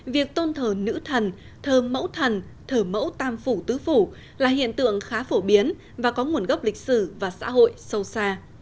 việc tôn thờ nữ thần thơ mẫu thần thờ mẫu tam phủ tứ phủ là hiện tượng khá phổ biến và có nguồn gốc lịch sử và xã hội sâu xa